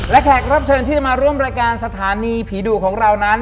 และแขกรับเชิญที่จะมาร่วมรายการสถานีผีดุของเรานั้น